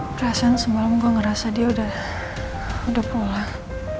perasaan semalam gue ngerasa dia udah pulang